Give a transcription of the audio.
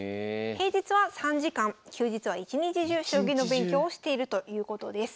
平日は３時間休日は一日中将棋の勉強をしているということです。